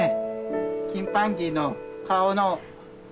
チンパンジーの顔の。